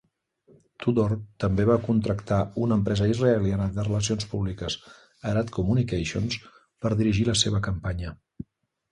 Tudor també va contractar una empresa israeliana de relacions públiques, Arad Communications, per dirigir la seva campanya.